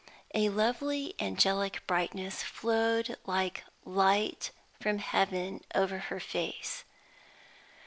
A lovely, angelic brightness flowed like light from heaven over her face.